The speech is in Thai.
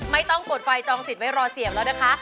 ไม่ต้องกดไฟจองสิทธิไว้รอเสียบแล้วนะคะ